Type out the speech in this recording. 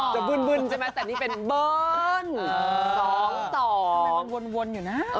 จะเบื่นเบื่นใช่ไหมแต่นี่เป็นเบิ่นสองสองวนวนอยู่น่ะเออ